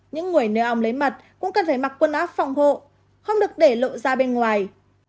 những người nơi ong lấy mặt cũng cần phải mặc quân áp phòng hộ không được để lộ ra bên ngoài